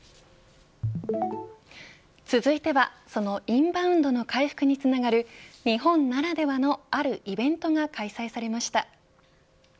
続いてはそのインバウンドの回復につながる日本ならではのあるイベントが開催されました。